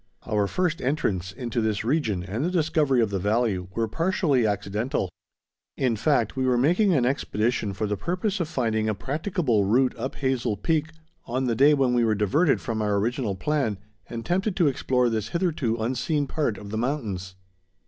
Our first entrance into this region and the discovery of the valley were partially accidental. In fact, we were making an expedition for the purpose of finding a practicable route up Hazel Peak, on the day when we were diverted from our original plan, and tempted to explore this hitherto unseen part of the mountains.